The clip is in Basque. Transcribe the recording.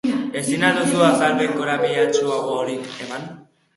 Ezin al duzu azalpen korapilatsuagorik eman?